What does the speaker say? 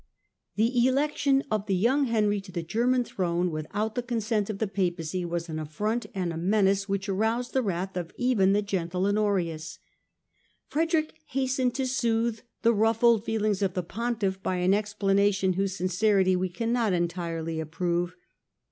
The election of the young Henry to the German throne without the consent of the Papacy was an affront and a menace which aroused the wrath of even the gentle Honorius. Frederick hastened to soothe the ruffled feel ings of the Pontiff by an explanation whose sincerity we cannot entirely approve.